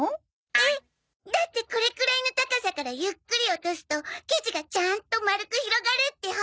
えっ？だってこれくらいの高さからゆっくり落とすと生地がちゃんと丸く広がるって本に。